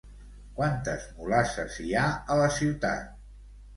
Quantes mulasses hi ha a la ciutat?